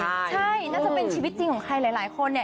ใช่น่าจะเป็นชีวิตจริงล้างหลายคน